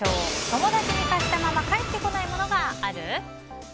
友達に貸したまま返ってこないものがある？